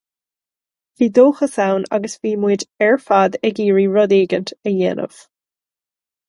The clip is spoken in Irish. Bhí dóchas ann agus bhí muid ar fad ag iarraidh rud éicint a dhéanamh.